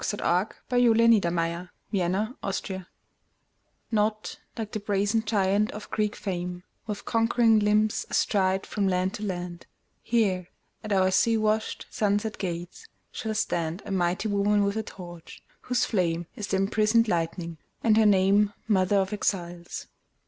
1917. The New Colossus Emma Lazarus NOT like the brazen giant of Greek fame, With conquering limbs astride from land to land; Here at our sea washed, sunset gates shall standA mighty woman with a torch, whose flameIs the imprisoned lightning, and her nameMother of Exiles.